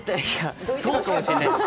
そうかもしれないです。